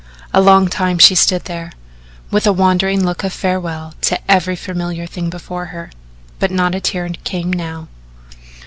A long time she stood there, with a wandering look of farewell to every familiar thing before her, but not a tear came now.